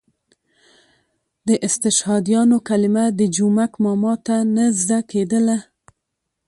د استشهادیانو کلمه د جومک ماما ته نه زده کېدله.